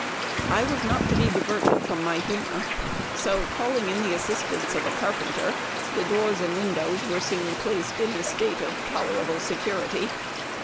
" I was not to be diverted from my humor ; so, calling in the assistance of a carpenter, the doors and windows were soon placed in a state of tolerable security.